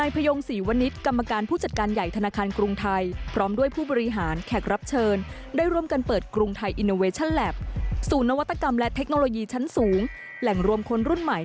เป็นการให้บริการหรือว่าเป็นผลิตภัณฑ์ใหม่